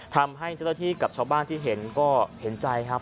ทำให้เจ้าหน้าที่กับชาวบ้านที่เห็นก็เห็นใจครับ